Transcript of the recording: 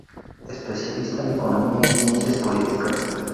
Especialista en Economía y Ciencias políticas.